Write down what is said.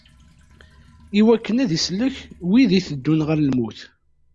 Iwakken ad isellek wid itteddun ɣer lmut.